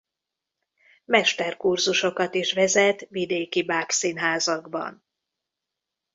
Mesterkurzusokat is vezet vidéki bábszínházakban.